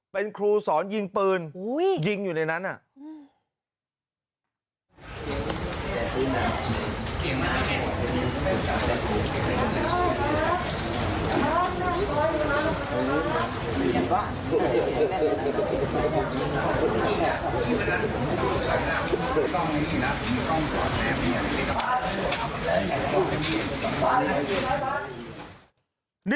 เป็นครูสอนยิงปืนยิงอยู่ในนั้นน่ะ